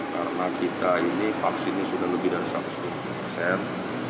karena kita ini vaksinnya sudah lebih dari satu ratus lima puluh persen